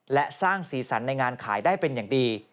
และสร้างสีสันในงานขายได้เป็นอย่างดี